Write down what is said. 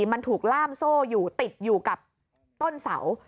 มันถูกล่ามโซ่อยู่ติดอยู่กับต้นเสา